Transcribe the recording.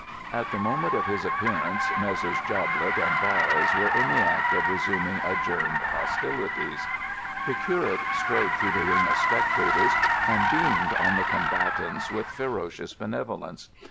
At the moment of his appearance, Messrs. Joblett and Byles were in the act of resuming adjourned hostilities. The curate strode through the ring of spectators and beamed on the combatants with ferocious benevolence.